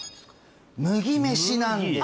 麦飯なんですね